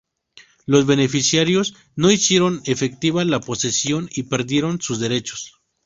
Los beneficiarios no hicieron efectiva la posesión y perdieron sus derechos.